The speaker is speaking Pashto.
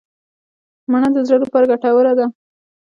مڼه د زړه لپاره ګټوره ده.